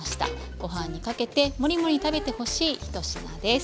ご飯にかけてもりもり食べてほしい１品です。